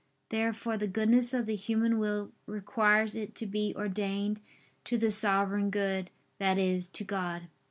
Therefore the goodness of the human will requires it to be ordained to the Sovereign Good, that is, to God.